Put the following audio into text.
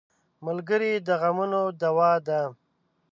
ملګری د غمونو دوا ده.